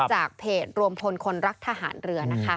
จากเพจรวมพลคนรักทหารเรือนะคะ